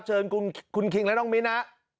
เชิญคุณคิงและน้องมิ้นนะ